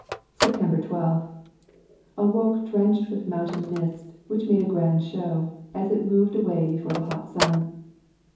September 12. Awoke drenched with moun tain mist, which made a grand show, as it moved away before the hot sun.